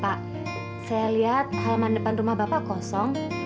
pak saya lihat halaman depan rumah bapak kosong